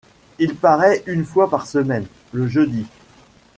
Il paraît une fois par semaine, le jeudi.